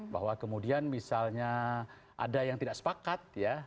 bahwa kemudian misalnya ada yang tidak sepakat ya